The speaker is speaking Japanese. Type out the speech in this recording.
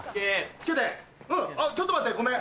ツケでちょっと待ってごめん。